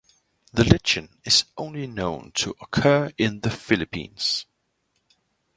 The lichen is only known to occur in the Philippines.